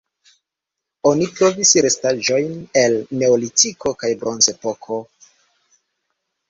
Oni trovis restaĵojn el Neolitiko kaj Bronzepoko.